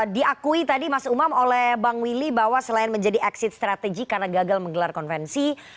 diakui tadi mas umam oleh bang willy bahwa selain menjadi exit strategy karena gagal menggelar konvensi